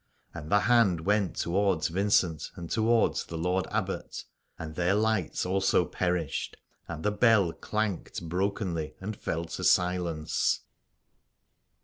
And the hand went to wards Vincent and towards the Lord Abbot : and their lights also perished, and the bell clanked brokenly and fell to silence.